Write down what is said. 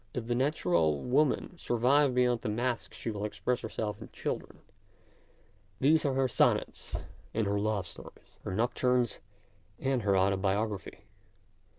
If the natural woman survive behind the mask she will express herself in children ; these are her sonnets and her love stories, her nocturnes and her autobiograplry.